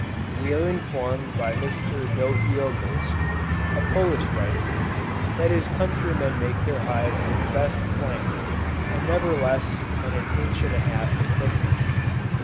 We are informed by Mr. Dohiogost, a Polish writer, that his countrymen make their hives of the best plank, and never less than an inch and a half in thickness.